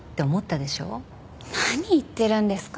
何言ってるんですか？